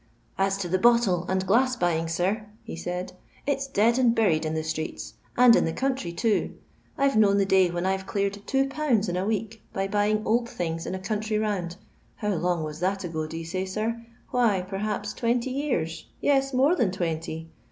^ As to the bottle and dying, sir," he said, " it 's dead and buried streets, and in the country too. I've the day when I Ve cleared 2(. in a tf buying old things in a country round. mg was that ago, do you say, sirl Why I twenty years; yes, more than twenty.